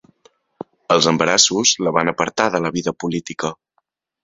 Els embarassos la van apartar de la vida política.